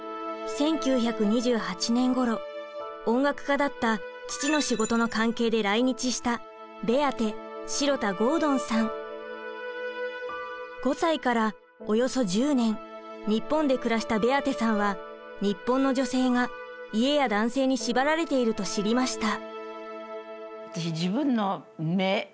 １９２８年ごろ音楽家だった父の仕事の関係で来日した５歳からおよそ１０年日本で暮らしたベアテさんは日本の女性が家や男性に縛られていると知りました。